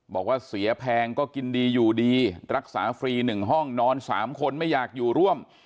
บอกว่าเสียแพงก็กินดีอยู่ดีรักษาฟรี๑ห้องนอน๓คนไม่อยากอยู่ร่วม